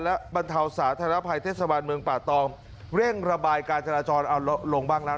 และบรรเทาสาธารณภัยเทศบาลเมืองป่าตองเร่งระบายการจราจรเอาลงบ้างแล้ว